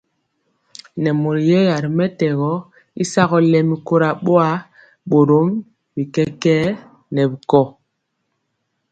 Nɛ mori yɛya mɛtɛgɔ y sagɔ lɛmi kora boa, borom bi kɛkɛɛ nɛ bi kɔ.